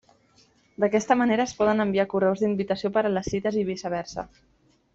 D'aquesta manera es poden enviar correus d'invitació per a les cites i viceversa.